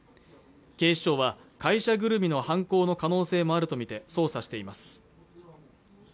警視庁は会社ぐるみの犯行の可能性もあるとみて捜査しています